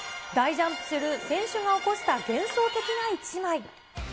大ジャンプする選手が起こした幻想的な１枚。